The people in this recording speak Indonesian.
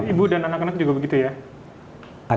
ibu dan anak anak juga begitu ya